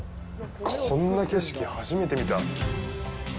こんな景色、初めて見た。